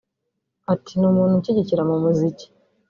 Ati “Ni umuntu unshyigikira mu muziki